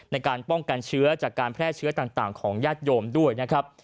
ในการป้องกันเชื้อจากการแพร่เชื้อต่างของญาติโยมด้วยนะครับ